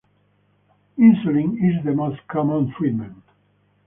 Insulin is the most common treatment.